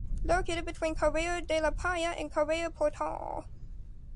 Located between Carrer de la Palla and Carrer Portal.